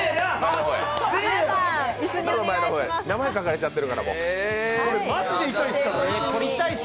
名前書かれちゃってるから、もう。